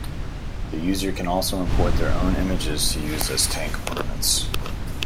The user can also import their own images to use as tank ornaments.